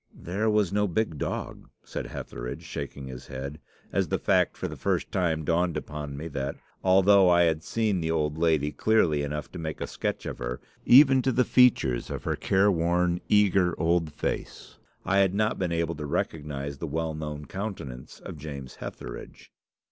"'There was no big dog,' said Hetheridge, shaking his head, as the fact for the first time dawned upon me that, although I had seen the old lady clearly enough to make a sketch of her, even to the features of her care worn, eager old face, I had not been able to recognise the well known countenance of James Hetheridge.